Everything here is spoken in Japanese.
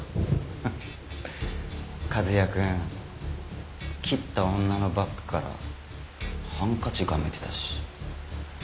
フッ和哉くん切った女のバッグからハンカチがめてたし。